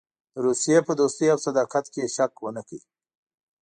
د روسیې په دوستۍ او صداقت کې یې شک ونه کړ.